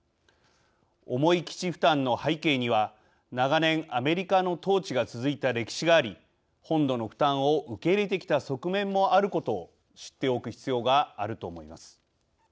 重い基地負担の背景には長年、アメリカの統治が続いた歴史があり、本土の負担を受け入れてきた側面もあることを知っておく必要があると思います。